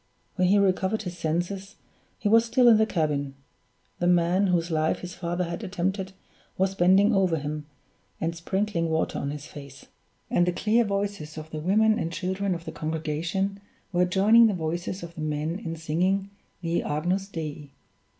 When he recovered his senses, he was still in the cabin; the man whose life his father had attempted was bending over him, and sprinkling water on his face; and the clear voices of the women and children of the congregation were joining the voices of the men in singing the _Agnus Dei.